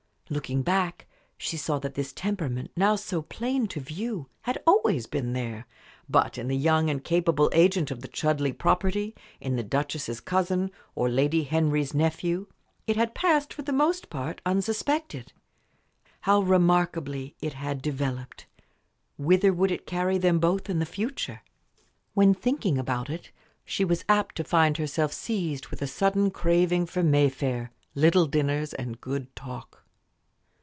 Looking back she saw that this temperament, now so plain to view, had been always there; but in the young and capable agent of the Chudleigh property, in the Duchess's cousin, or Lady Henry's nephew, it had passed for the most part unsuspected. How remarkably it had developed! whither would it carry them both in the future? When thinking about it, she was apt to find herself seized with a sudden craving for Mayfair, "little dinners," and good talk.